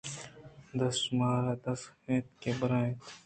دزّشُمارا دزّ اَنت ءُ بَر اَنت